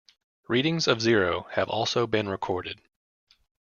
Readings of zero have also been recorded.